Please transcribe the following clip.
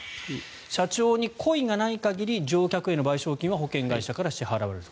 社長に故意がない限り乗客への賠償金は保険会社から支払われる。